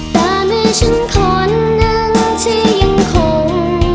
แต่มีฉันคนหนึ่งที่ยังคง